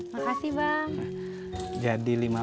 januari udah deh tweets gini bang